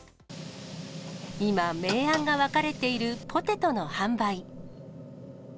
今、明暗が分かれているポテトの販売。